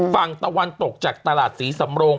ฝั่งตะวันตกจากตลาดศรีสำโรง